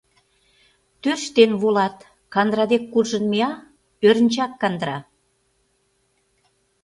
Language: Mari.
Тӧрштен волат, кандыра дек куржын мия — ӧрынчак кандыра.